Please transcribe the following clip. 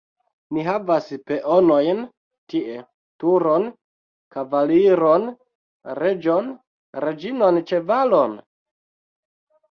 Ni havas peonojn tie, turon, kavaliron, reĝon, reĝinon ĉevalon?